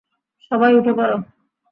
সবাই উঠে পড়।